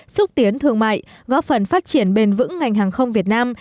xúc tiến thương mại góp phần phát triển bền vững ngành hàng không việt nam